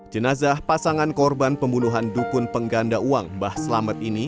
jenazah pasangan korban pembunuhan dukun pengganda uang mbah selamet ini